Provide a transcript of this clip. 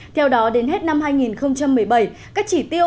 theo đó đến hết năm hai nghìn một mươi bảy các chỉ tiêu